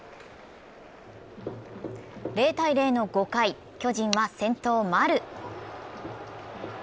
０−０の５回、巨人は先頭・丸。